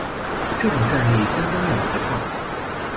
这种战力相当两极化。